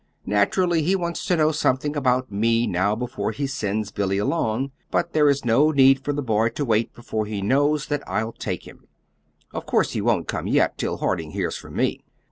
Naturally he wants to know something about me now before he sends Billy along; but there is no need for the boy to wait before he knows that I'll take him. Of course he won't come yet, till Harding hears from me."